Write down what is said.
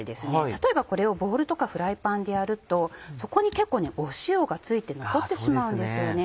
例えばこれをボウルとかフライパンでやるとそこに結構塩が付いて残ってしまうんですよね。